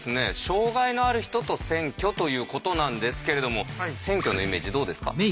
障害のある人と選挙ということなんですけれども選挙のイメージどうですか？